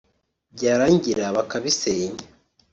byarangira bakabisenya